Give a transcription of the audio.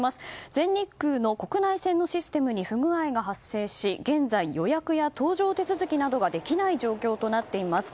全日空の国内線のシステムに不具合が発生し現在、予約や搭乗手続きなどができない状況となっています。